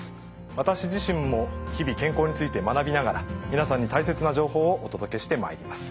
私自身も日々健康について学びながら皆さんに大切な情報をお届けしてまいります。